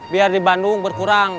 biar di bandung berkurang